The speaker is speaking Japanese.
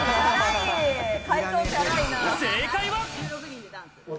正解は。